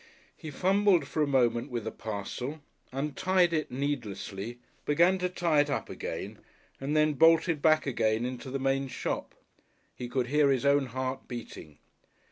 He fumbled for a moment with a parcel, untied it needlessly, began to tie it up again and then bolted back again into the main shop. He could hear his own heart beating.